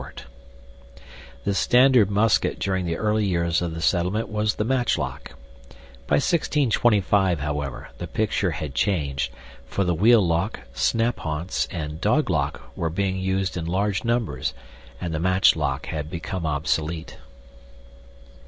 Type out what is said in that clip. The standard musket during the early years of the settlement was the matchlock. By 1625, however, the picture had changed, for the wheel lock, snaphaunce, and "doglock," were being used in large numbers, and the matchlock had become obsolete.